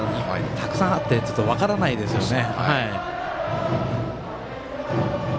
たくさんあって分からないですよね。